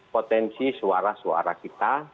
potensi suara suara kita